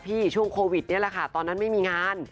ช่วงโควิดนี่แหละค่ะตอนนั้นไม่มีงาน